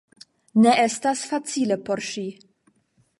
Ne estas facile por ŝi.